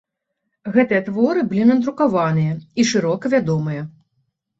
Гэтыя творы былі надрукаваныя і шырока вядомыя.